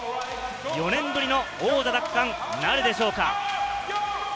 ４年ぶりの王座奪還なるでしょうか。